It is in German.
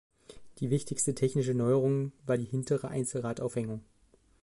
Die wichtigste technische Neuerung war die hintere Einzelradaufhängung.